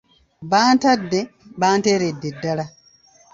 Bantadde banteeredde ddala.